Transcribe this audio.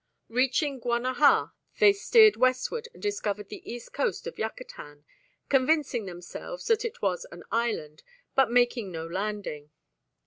Reaching Guanaja they steered westward and discovered the east coast of Yucatan, convincing themselves that it was an island, but making no landing.